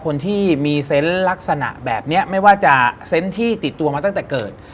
คนที่มีเซนต์ลักษณะแบบนี้ไม่ว่าจะเซนต์ที่ติดตัวมาตั้งแต่เกิด